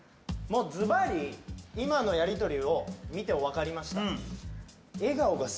ずばり今のやり取りを見て分かりました。